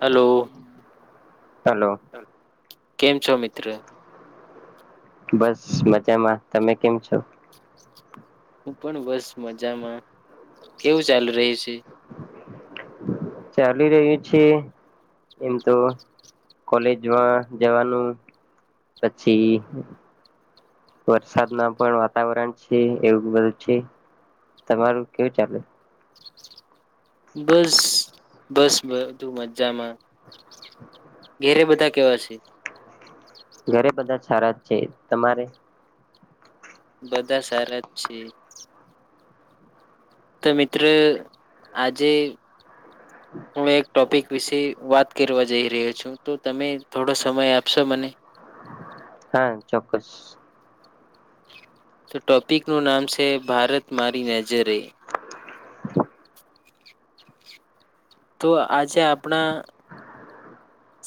Hello. હાલો. કેમ છો મિત્ર? બસ મજામાં તમે કેમ છો? હું પણ બસ મજામાં કેવું ચાલુ રહી છે. ચાલી રહ્યું છે એમ તો કોલે જ જવાનું પછી વરસાદ ના પણ વાતાવરણ છે એવું બધું છે. તમારું કેવું ચાલે? બસ બસ બધું મજામાં. ઘેરે બધા કેવા છે? ઘરે બધા સારા છે તમારે? બધા સારા જ છે. તો મિત્ર આજે [inaudible] હું એક ટોપિક વિશે વાત કરવા જઈ રહ્યો છું તો તમે થોડો સમય આપશો મને? [inaudible] હા ચોક્કસ. તો ટોપિકનું નામ છે ભારત મારી નજરે. [inaudible] તો આજે આપણા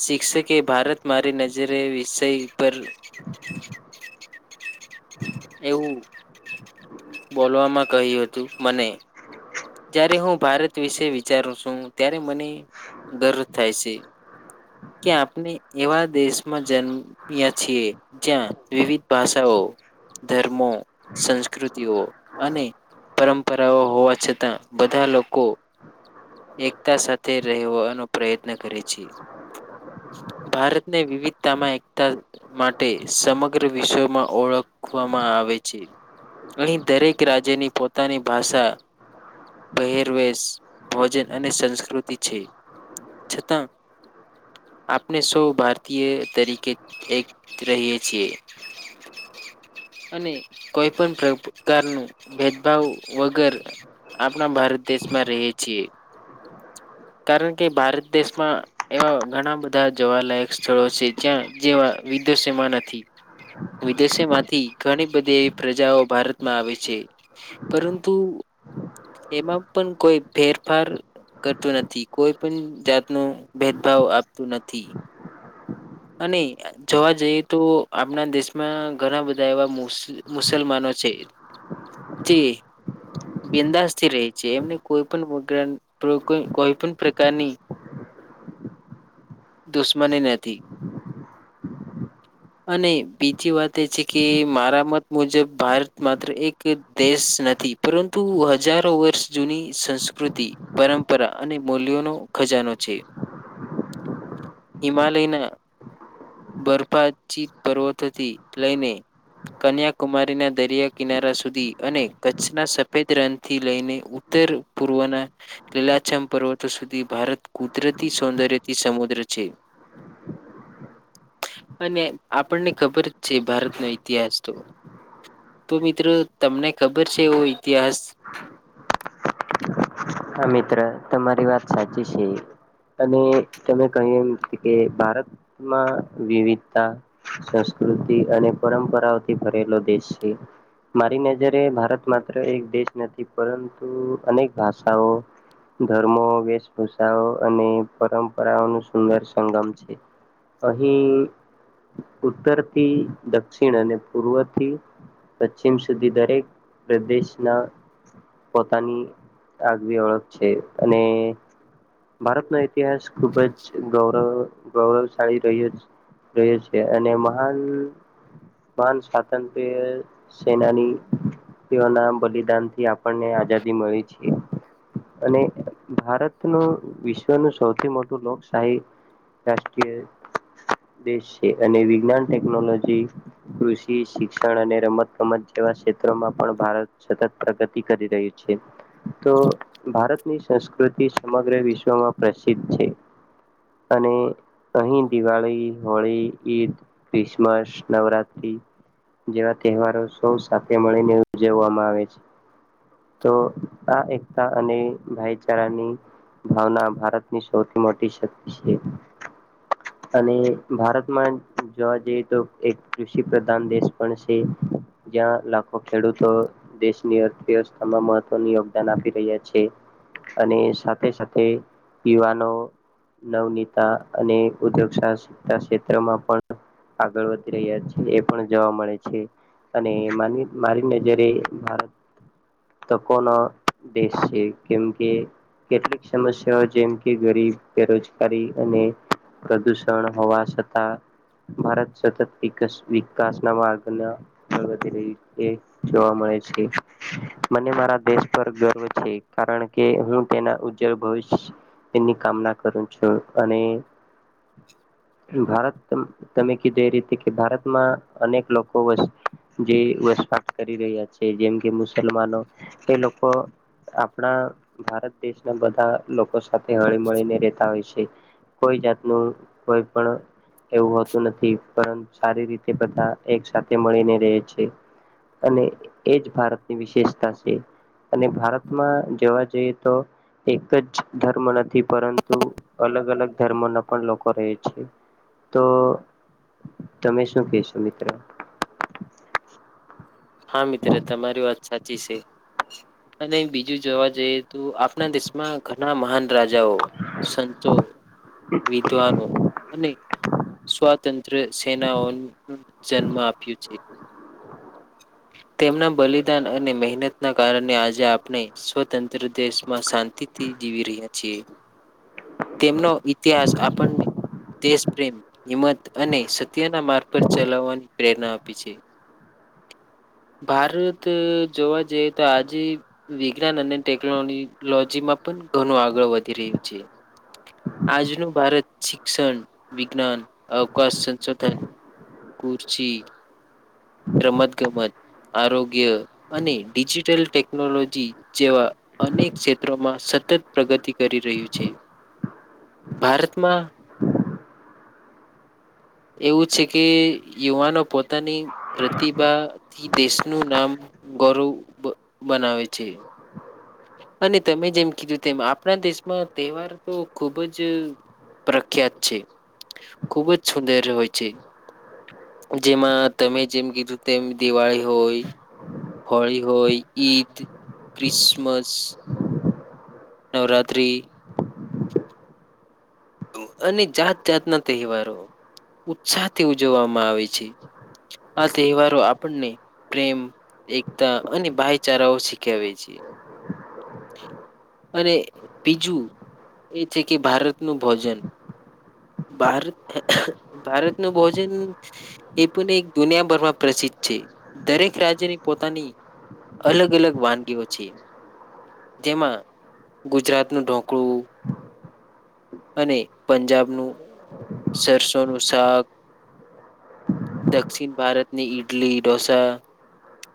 શિક્ષકે ભારત મારી નજરે વિષય પર એવું બોલવામાં કહ્યું હતું મને જયયારે હું ભારત વિશે વિચારું છું ત્યારે મને ગરવ થાય છે. કે આપણે એવા દેશમાં જન્મ્યા છીએ જ્યાં વિવિધ ભાષાઓ ધર્મો સંસ્કૃતિઓ અને પરંપરાઓ હોવા બધા લોકો એકતા સાથે રહેવાનો પ્રયત્ન કરે છે. ભારતને વિવિધતામાં એકતા માટે સમગ્ર વિશ્વમાં ઓળખવામાં આવે. આવે છે અહીં દરેક રાજ્યની પોતાની ભાષા પહેરવેશ ભોજન અને સંસ્કૃતિ છે છતાં આપણે સૌ ભારતીય તરીકે એક રહીએ છીએ. [inaudible] અને કોઈ પણ પ્રકારનો ભેદભાવ વગર આપણા ભારત દેશમાં રહે છીએ. કારણ કે ભારત દેશમાં એવા ઘણા બધા જોવાલાયક સ્થળો છે જ્યાં જે વિદષમાં નથી. વિદેશે માંથી ઘણી બધી પ્રજાઓ ભારતમાં આવે છે. પરંતુ એમાં પણ કોઈ ફેરફાર તુ નથી કોઈ પણ જાતનું ભેદભાવ આપતું નથી અને જોવા જઈએ તો આપણા દેશમાં ઘણા બધા એવા મુસ મુસલમાનો છે જે બિંદાસ થી રહે છે એમને કોઈ પણ કોઈ પણ પ્રકારની દુશ્મની નથી અને બીજી વાત એ છે કે મારા મત મુજબ ભારત માત્ર એક દેશ ન થી પરંતુ હજારો વર્ષ જૂની સંસ્કૃતિ પરંપરા અને બોલ્યોનો ખજા નો છે ઈમાલયના બરફા ચીત પર્વતોથી લઈને કન્યાકુમારીના દરિયા કિનારા સુધી અને કચ્છના સફેદ રન થી લઈને ઉત ત્તર પૂર્વના લીલાછમ પર્વતો સુધી ભારત કુદરતી સૌંદર્યથી સમુદ્ર છે [inaudible] અને આપણને ખબર જ છે ભારતનો ઈતિહાસ તો તો મિત્રો તમને ખબર છે એવો ઇતિહાસ હા મિત્ર તમારી વાત સાચી છે અને તમે કહ્યું એમ કે ભારતમાં વિવિધતા સસ કૃતિ અને પરંપરાઓથી ભરેલો દેશ છે મારી નજરે ભારત માત્ર એક દેશ નથી પરંતુ અનેક ભાષાઓ ધર્મો વેશભૂષાઓ અને પરંપરાઓનું સુંદર સંગમ છે અહી ઉત્તરથી દક્ષિણ અને પૂર્વથી પશ્ચિમ સુધી દરેક પ્રદેશના પોતાની આગવી ઓળખ છે અને ભારતનો ઇતિહાસ ખુબ જ ગૌરવ ગૌરવશાળી રહ્યો રહ્યો છે અને મહાન મહાન સ્વાતંત્ર્ય સેનાની તેઓ ના બલિદાન થી આપણને આઝાદી મળી છે હ અને ભારતનું વિશ્વનું સૌથી મોટું લોકશાહી રાષ્ટ્રીય દેશ છે અને વિજ્ઞાન ટેકનોલોજી કૃષિ શિક્ષણ અને રમત ગમત જેવા ક્ષેત્રોમાં પણ ભારત સતત પ્રગતિ કરી રહ્યું છે. તો ભારતની સંસ્કૃતિ સમગ્ર વિશ્વમાં પ્રસિદ્ધ છે. અને અહી દિવાળી, હોળી, ઈદ, ક્રિસમસ, નવરાત્રી જેવા તહેવારો સૌ સાથે મળીને ઉજવવામાં આવે છે તો આ એકતા અને ભાઈચારાની ભાવના ભારતની સૌથી મોટી શક્તિ છે [inaudible] અને ભારતમાં જોવા જઈએ તો એક કૃષિ પ્રધાન દેશ પણ છે. જ્યાં લાખો ખેડૂતો દેશની અર્થવ્યવસ્થામાં મહત્વની યો ગદાન આપી રહ્યા છે અને સાથે સાથે યુવાનો નવનીતા અને ઉદ્યોગ સાહસિકતા ક્ષેત્રમાં પણ આગળ વધી રહ્યા છે, એ પણ જોવા મળે છે. અને માની મારી નજરે ભારત તકોનો દેશ છે કેમ કે કેટલીક સમસ્યાઓ જેમ કે ગરીબ, બેરોજગારી અને પ્રદુષણ હોવા છતાં ભારત સતત વિકાસના માર્ગે વધી રહ્યું એ જોવા મળે. ળે છે મને મારા દેશ પર ગર્વ છે, કારણ કે હું તેના ઉજ્જળ ભવિષ એની કામના કરું છું, અને [inaudible] ભારત તમે કીધું એ રીતે કે ભારતમાં અનેક લોકો જે વાસવાટ કરી રહ્યા છે જેમ કે મુસલમાનો એ લોકો આપણા ભારત દેશના બધા લોકો સાથે હળી મળીને રહેતા હોય છે, કોઈ જાતનું કોઈ પણ એવું હોતું નથી પરંતુ સારી રીતે બધા એક સાથે મળીને રેય છે. અને એજ ભારતની વિશેષતા છે. અને ભારતમાં જોવા જઈએ તો એક જ ધર્મ ન નથી પરંતુ અલગ અલગ ધર્મોના પણ લોકો રહે છે તો તમે શું કેશો મિત્ર? હા મિત્ર તમારી વાત સાચી છે. અને બીજું જોવા જઈએ તો આપણા દેશમાં ઘણા મહાન રાજાઓ સંતો વિદ્વાનો અને સ્વાતંત્ર સેનાઓ જન્મ આપ્યો છે. [inaudible] તેમના બલિદાન અને મહેનતના કારણે આજે આપણે સ્વતંત્ર દેશમાં શાંતિથી જીવી રહ્યા છીએ તેમનો ઇતિહાસ આપણને દેશ પ્રેમ હિંમત અને સત્યના માર્ગ પર ચલાવવાની પ્રેરણા આપી છે. [inaudible] ભારત જોવા જઈએ તો આજે વિજ્ઞાન અને ટેકનોલોજીમાં ઘણું આગળ વધી રહ્યું છે. આજનું ભારત શિક્ષણ વિજ્ઞાન અવકાશ સંશોધન ખુરછી. રમત ગમત. આરોગ્ય અને ડિજિટલ ટેકનોલોજી જેવા અનેક ક્ષેત્રોમાં સતત પ્રગતિ કરી રહ્યું છે ભારતમાં એવું છે કે યુવાનો પોતાની પ્રતિભા થી દેશનું નામ ગરું બનાવે છે. અને તમે જેમ કીધું તેમ આપણા દેશમાં તહેવાર તો ખુબ જ. પ્રખ્યાત છે ખુબ જ સુંદર હોય છે. જેમાં તમે જેમ કીધું તેમ દિવાળી હોય હોળી હોય ઈદ ક્રિસમસ નવરાત્રિ. અને જાત જાતના તહેવારો ઉત્સાહ થી ઉજવવામાં આવે છે. આ તહેવારો આપણને. પ્રેમ એકતા અને ભાઈચારાઓ શીખવેે છે. અને બીજું એ છે કે ભારતનું ભોજન ભારત ભારતનું ભોજન એ પણ દુનિયાભરમાં પ્રચલિ છે દરેક રાજ્યની પોતાની અલગ અલગ વાનગીઓ છે. જેમાં ગુજરાતનું ઢોકળું અને પંજાબનું સરસોનું સાગ દક્ષિણ ભારતની ઈડલી ઢોસા.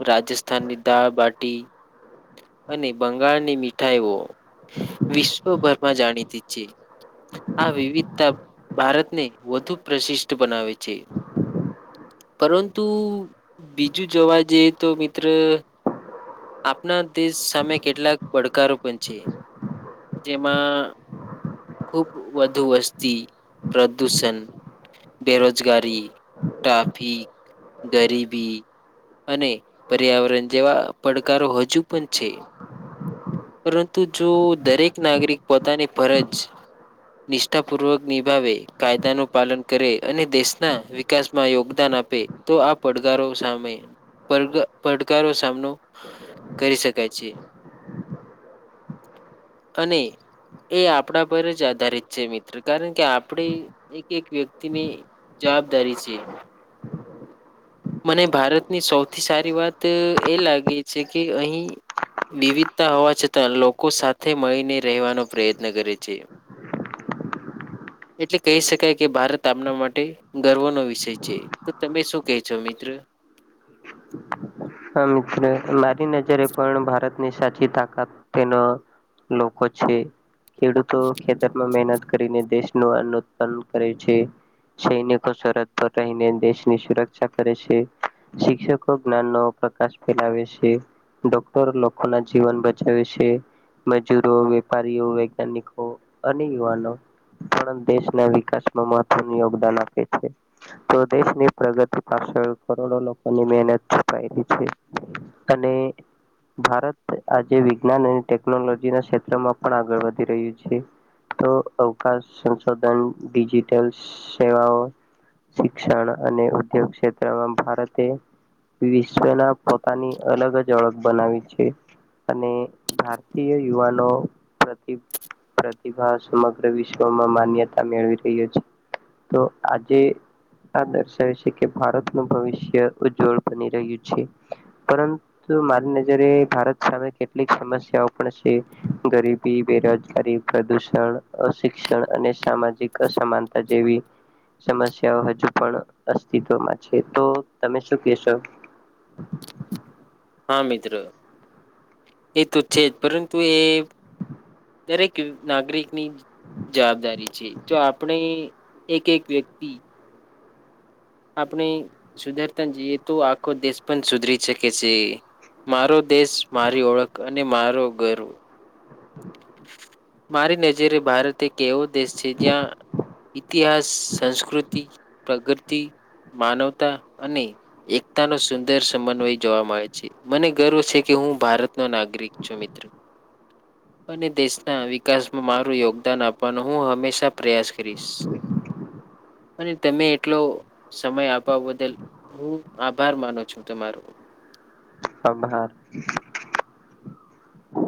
રાજસ્થાનની દાળબાટી. અને બંગાળની મીઠાઈઓ વિશ્વભરમાં જાણીતી [inaudible] આ વિવિધતા ભારતને વધુ પ્રશિષ્ટ બનાવે છે. પરંતુ બીજું જોવા જઈએ તો મિત્ર આપના દેશ સામે કેટલાક પડકારો પણ છે. જેમાં ખુબ વધુ વસ્તી પ્રદુષણ બેરોજગારી, ટ્રાફિક, ગરીબી, અને પર્યાવરણ જેવા પડકારો હજુ પણ છે. પરંતુ જો દરેક નાગરિક પોતાની ફરજ નિષ્ઠા પૂર્વક નિભાવે કાયદાનું પાલન કરે અને દેશના વિકાસમાં યોગદાન આપે તો આ પડકારો સામે પડ પડકારો સામનો કરી શકાય છે, અને એ આપણા પર જ આધારિત છે, મિત્ર કારણ કે આપણે એક એક વ્યક્તિને જવાબદારી છે. મને ભારતની સૌથી સારી વાત એ લાગે છે, કે અહી વિવિધતા હોવા છતાં લોકો સાથે મળીને રહેવાનો પ્રયત્ન કરે છે. [unintelligible] એટલે કહી શકાય કે ભારત આપણા માટે ગર્વનો વિષય છે, તો તમે શું કે છો મિત્ર હા મિત્રો મારી નજરે પણ ભારતની સાચી તાકાત તેનો લોકો છે, ખેડૂતો ખેતરમાં મહેનત કરીને દેશનું અન્ન ઉત્પન્ન કરે છે. સૈનિકો સરહદ પર રહીને દેશની સુરક્ષા કરે છે, શિક્ષકો જ્ઞાનનો પ્રકાશ ફેલાવે છે, ડોક્ટરો લોકોના જીવન બચાવે છે. મજૂરો, વેપારીઓ, વૈજ્ઞાનિકો, અને યુવાનો પણ દેશના વિકાસમાં મહત્વનું યોગદાન આપે છે, તો દેશની પ્રગતિ પા છળ કરોડો લોકોની મહેનત છપાયલી છે, અને ભારત આજે વિજ્ઞાન અને ટેકનોલોજીના ક્ષેત્રમાં પણ આગળ વધી રહ્યું છે. તો અવકાશ, સંશોધન, ડિજિટલ સેવાઓ, શિક્ષણ અને ઉદ્યોગ ક્ષેત્રમાં ભારતે વિ શ્રવના પોતાની અલગ જ ઓળખ બનાવી છે. અને ભારતીય યુવાનો પ્રતિ પ્રતિભા સમગ્ર વિશ્વમાં માન્યતા મેળવી રહ્યો છે. તો આજે આ દર્શાવે છે કે ભારતનું ભવિષ્ય ઉજ્જવળ બની રહ્યું છે. પરંતુ મારી નજરે ભારત સામે કેટલીક સમસ્યાઓ પણ છે, ગરીબી, બેરોજગારી, પ્રદૂષણ, શિક્ષણ અને સામાજિક અસમાનતા જેવી સમસ્યાઓ હજુ પણ અસ્તિત્વમાં છે, તો તમે શું કેશો? [unintelligible] મિત્રો એ તો છે જ પરંતુ એ દરેક કે નાગરિકની જવાબદારી છે, તો આપણે એક એક વ્યક્તિ આપણે સુધરતા જઈએ તો આખો દેશ પણ સુધરી શકે છે. મારો દેશ મારી ઓળખ અને મારો ગર્વ મારી નજરે ભારત એક એવો દેશ છે, જયાં ઇતિહાસ, સંસ્કૃતિ, પ્રગતિ, માનવતા અને એકતાનો સુંદર સમન્વય જોવા મળે છે, મને ગર્વ છે. કે હું ભારતનો નાગરિક છું મિત્રો અને દેશના વિકાસમાં મારું યોગદાન આપવાનો હું હંમેશા પ્રયાસ કરીશ [inaudible] અને તમે એટલો સમય આપવા બદલ હું આભાર માનો છું, તમારો [inaudible] હમ હાર